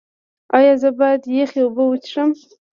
ایا زه باید یخې اوبه وڅښم؟